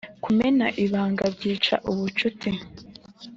Kumena ibanga byica ubucuti